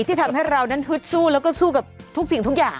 ที่ทำให้เรานั้นฮึดสู้แล้วก็สู้กับทุกสิ่งทุกอย่าง